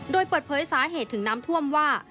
โดยเปิดเผยสาเหตุถึงน้ำท่วมว่า